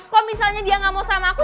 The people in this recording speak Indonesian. kok misalnya dia gak mau sama aku